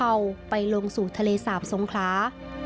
จากคล่องอุตภัวร์ไปลงสู่ทะเลสาบทรงคลา